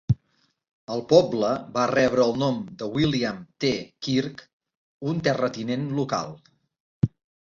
El poble va rebre el nom de William T. Kirk, un terratinent local.